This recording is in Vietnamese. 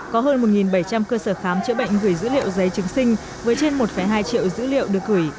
có hơn một bảy trăm linh cơ sở khám chữa bệnh gửi dữ liệu giấy chứng sinh với trên một hai triệu dữ liệu được gửi